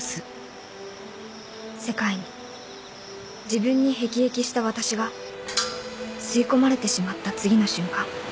世界に自分に辟易した私が吸い込まれてしまった次の瞬間